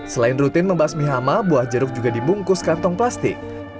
selain rutin membasmi hama buah jeruk juga dibungkus kantong plastik